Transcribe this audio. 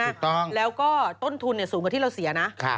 ถูกต้องแล้วก็ต้นทุนสูงกว่าที่เราเสียนะ